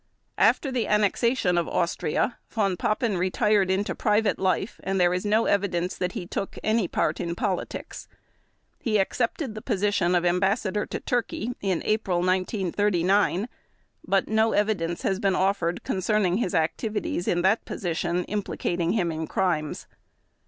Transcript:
After the annexation of Austria Von Papen retired into private life and there is no evidence that he took any part in politics. He accepted the position of Ambassador to Turkey in April 1939, but no evidence has been offered concerning his activities in that position implicating him in crimes.